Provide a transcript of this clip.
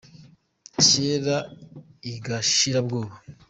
Ryera i Gashirabwoba